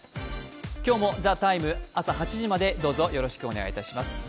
今日も「ＴＨＥＴＩＭＥ，」朝８時までどうぞよろしくお願いします。